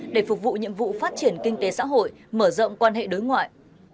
để phục vụ nhiệm vụ phát triển kinh tế xã hội mở rộng quan hệ đối ngoại